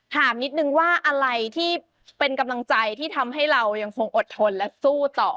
ถามนิดนึงว่าอะไรที่เป็นกำลังใจที่ทำให้เรายังคงอดทนและสู้ต่อ